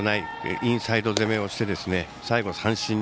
インサイド攻めをして最後、三振を